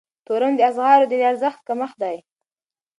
تورم د اسعارو د ارزښت کمښت دی.